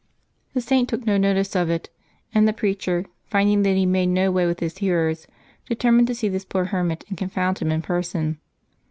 The Saint took no notice of it, and the preacher, finding that he made no way with his hearers, determined to see this poor hermit and confound him in person.